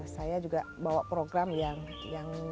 saya juga bawa program yang